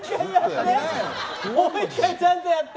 もう１回、ちゃんとやって！